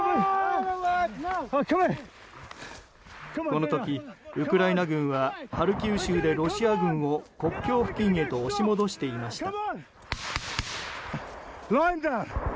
この時、ウクライナ軍はハルキウ州でロシア軍を国境付近へと押し戻していました。